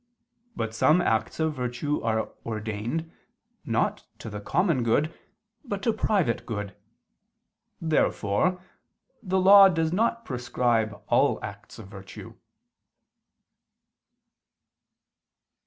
But some acts of virtue are ordained, not to the common good, but to private good. Therefore the law does not prescribe all acts of virtue.